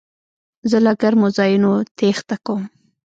زه له ګرمو ځایونو تېښته کوم.